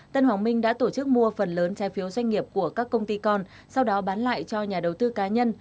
tân hoàng minh đã tổ chức mua phần lớn trái phiếu doanh nghiệp của các công ty con sau đó bán lại cho nhà đầu tư cá nhân